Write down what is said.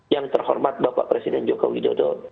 yang terhormat bapak presiden joko widodo